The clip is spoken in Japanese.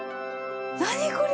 何これ⁉